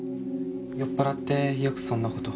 酔っ払ってよくそんな事を。